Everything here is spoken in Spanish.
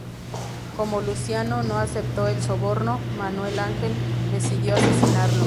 Como Luciano no aceptó el soborno, Manuel Ángel decidió asesinarlo.